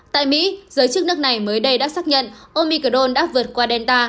tại mỹ giới chức nước này mới đây đã xác nhận omicol đã vượt qua delta